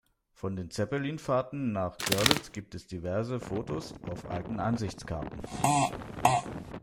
Von den Zeppelin-Fahrten nach Görlitz gibt es diverse Fotos auf alten Ansichtskarten.